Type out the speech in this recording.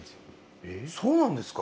そうなんですか？